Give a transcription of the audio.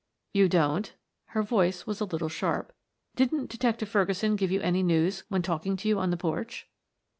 "You don't?" Her voice was a little sharp. "Didn't Detective Ferguson give you any news when talking to you on the porch?"